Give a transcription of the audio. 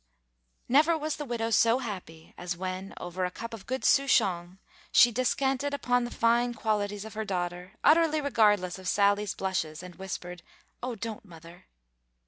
Never was the widow so happy as when, over a good cup of souchong, she descanted upon the fine qualities of her daughter, utterly regardless of Sally's blushes, and whispered, "O, don't, mother."